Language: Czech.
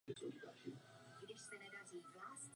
Zároveň se zapojil do veřejného života v Praze.